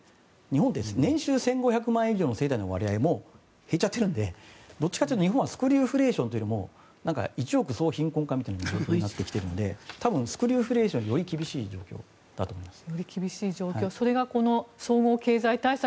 日本って年収１５００万円以上の世帯の割合も減っちゃっているのでどちらかというと日本はスクリューフレーションというより一億総貧困化みたいになっているので多分スクリューフレーションより厳しい状況だと思います。